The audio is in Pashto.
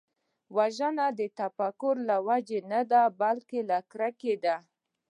وژنه د تفکر له وجې نه ده، بلکې له کرکې ده